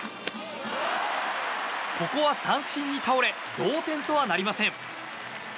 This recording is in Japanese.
ここは三振に倒れ同点とはなりません。